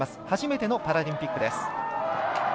初めてのパラリンピックです。